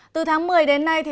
từ tháng một mươi đến nay